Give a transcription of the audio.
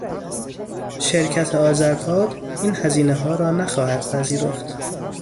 شرکت آذرپاد این هزینهها را نخواهد پذیرفت.